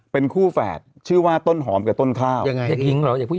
เป็นคู่แฝดชื่อว่าต้นหอมกับต้นข้าวยังไงเด็กหญิงเหรอเด็กผู้หญิง